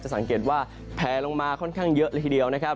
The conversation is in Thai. สังเกตว่าแผลลงมาค่อนข้างเยอะเลยทีเดียวนะครับ